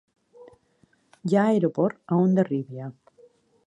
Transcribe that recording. Hi ha aeroport a Hondarribia.